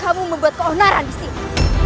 kamu membuat keonaran disini